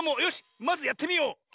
よしまずやってみよう！